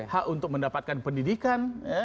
hak untuk mendapatkan pendidikan